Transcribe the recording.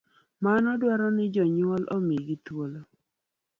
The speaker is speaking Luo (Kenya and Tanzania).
Mano dwaroni jonyuol omigi thuolo